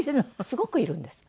すごくいるんです。